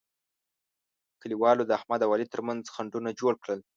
کلیوالو د احمد او علي ترمنځ خنډونه جوړ کړل.